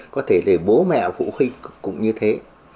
có thể để bố mẹ phụ huynh cũng như thế